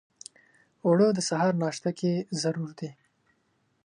اوړه د سهار ناشته کې ضرور دي